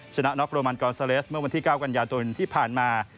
ชนะน็อกโรมันกอนซาเลสเมื่อวันที่๙กันยายนที่ผ่านมา